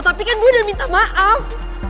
tapi kan bu udah minta maaf